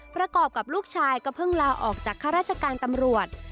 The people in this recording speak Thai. ประกอบกับลูกชายก็เพิ่งลาออกจากข้าราชการตำรวจ